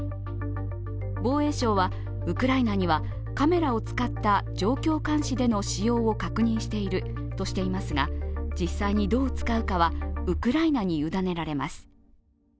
防衛省はウクライナには、カメラを使った状況監視での使用を確認しているとしていますが実際にどう使うかはウクライナに委ねられます。